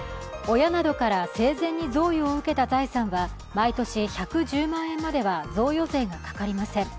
親などから生前に贈与を受けた財産は毎年１１０万円までは贈与税がかかりません。